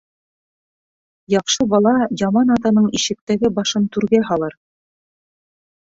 Яҡшы бала яман атаның ишектәге башын түргә һалыр